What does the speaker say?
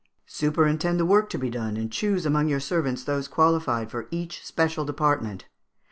"Superintend the work to be done; and choose among your servants those qualified for each special department.